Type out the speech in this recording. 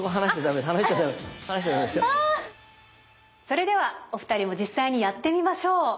それではお二人も実際にやってみましょう！